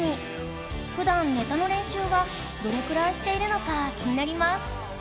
普段ネタの練習はどれくらいしているのか気になります